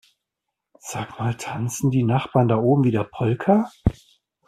Sag mal, tanzen die Nachbarn da oben wieder Polka?